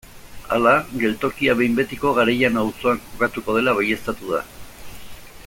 Hala, geltokia behin-betiko Garellano auzoan kokatuko dela baieztatu da.